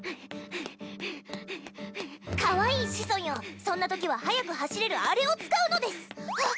可愛い子孫よそんな時は速く走れるアレを使うのですあっ